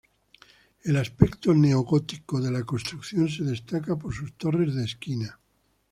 El aspecto neogótico de la construcción se destaca por sus torres de esquina.